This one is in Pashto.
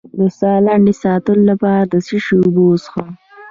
د ساه لنډۍ لپاره د څه شي اوبه وڅښم؟